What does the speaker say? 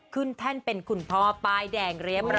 แท่นเป็นคุณพ่อป้ายแดงเรียบร้อย